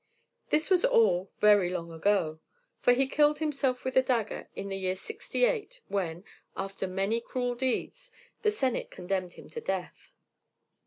This was all very long ago, for he killed himself with a dagger in the year 68 when, after many cruel deeds, the Senate condemned him to death.